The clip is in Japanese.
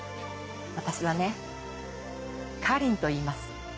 私はね花梨といいます。